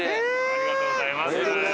ありがとうございます。